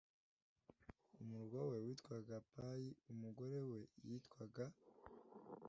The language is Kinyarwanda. umurwa we witwaga payi umugore we yitwaga